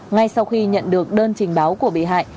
ngay sau khi nhận được đơn trình báo của bị hại